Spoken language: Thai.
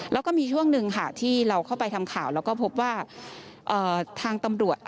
แล้วก็มีช่วงหนึ่งค่ะที่เราเข้าไปทำข่าวแล้วก็พบว่าทางตำรวจ